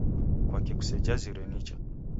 Kwaki kusejazire nicha